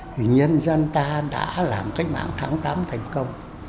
thì nhân dân ta đã làm cách mạng tháng tám thành công